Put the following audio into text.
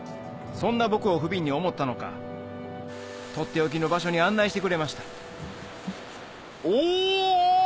そんな僕を不憫に思ったのか取って置きの場所に案内してくれましたお！